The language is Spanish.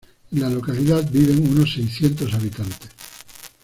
En la localidad viven unos seiscientos habitantes.